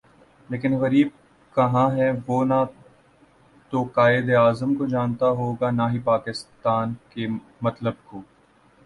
لیکن غریب کہاں ہے وہ نہ توقائد اعظم کو جانتا ہوگا نا ہی پاکستان کے مطلب کو